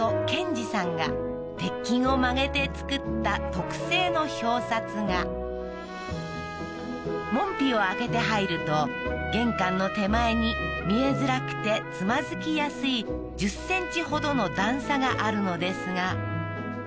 賢治さんが鉄筋を曲げて作った特製の表札が門扉を開けて入ると玄関の手前に見えづらくてつまずきやすい１０ｃｍほどの段差があるのですが